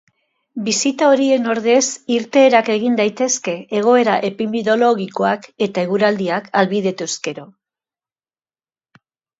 Bisita horien ordez irteerak egin daitezke egoera epidemiologikoak eta eguraldiak ahalbidetuz gero.